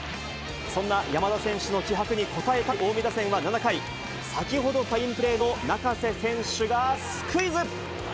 そんな山田選手の気迫に応えたい近江ナインは７回、先ほどファインプレーの中瀬選手がスクイズ。